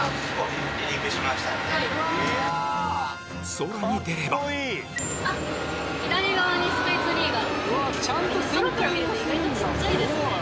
空に出れば左側にスカイツリーが。